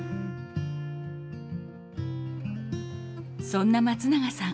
そんな松永さん